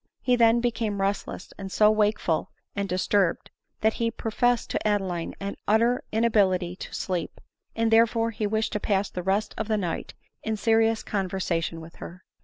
He then became restless, and so wakeful and dis turbed, that he professed to Adeline an utter inability to sleep, and therefore he wished to pass the rest of the night in serious conversation with her.